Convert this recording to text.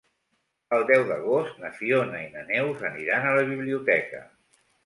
El deu d'agost na Fiona i na Neus aniran a la biblioteca.